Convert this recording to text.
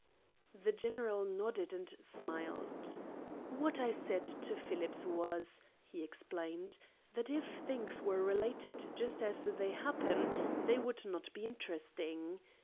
The general nodded and smiled. "What I said to Phillips was," he explained, "that if things were related just as they happen, they would not be interesting.